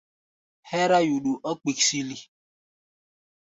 Hɛ́rá yuɗu ɔ́ kpiksili.